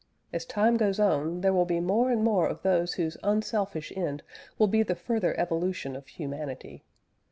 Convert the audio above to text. As time goes on, there will be more and more of those whose unselfish end will be the further evolution of Humanity.